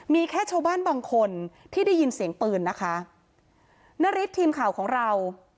มีแค่ชาวบ้านบางคนที่ได้ยินเสียงปืนนะคะนาริสทีมข่าวของเรา